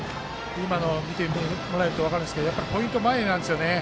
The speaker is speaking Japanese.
今の見てもらえると分かるんですけどポイントが前なんです。